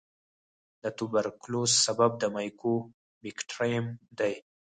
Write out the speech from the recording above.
د توبرکلوس سبب مایکوبیکټریم دی.